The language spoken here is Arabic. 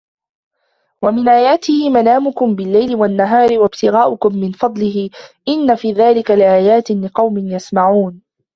وَمِنْ آيَاتِهِ مَنَامُكُمْ بِاللَّيْلِ وَالنَّهَارِ وَابْتِغَاؤُكُمْ مِنْ فَضْلِهِ إِنَّ فِي ذَلِكَ لَآيَاتٍ لِقَوْمٍ يَسْمَعُونَ